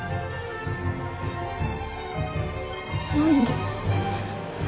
何で？